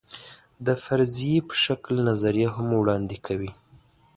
د فرضیې په شکل نظریه هم وړاندې کوي.